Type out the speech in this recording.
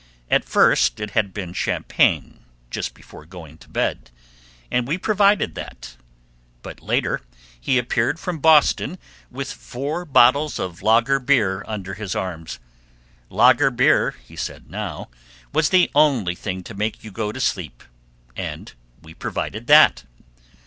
At first it had been champagne just before going to bed, and we provided that, but later he appeared from Boston with four bottles of lager beer under his arms; lager beer, he said now, was the only thing to make you go to sleep, and we provided that.